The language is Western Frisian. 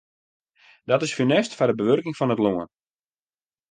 Dat is funest foar de bewurking fan it lân.